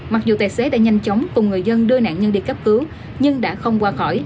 mặc dù tài xế đã nhanh chóng cùng người dân đưa nạn nhân đi cấp cứu nhưng đã không qua khỏi